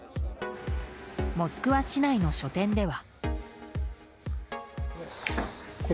モスクワ市内の書店では。